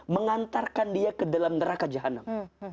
mengantarkan dia ke dalam neraka jahanam